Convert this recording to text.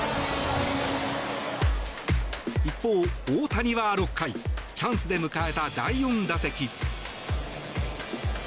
一方、大谷は６回チャンスで迎えた第４打席。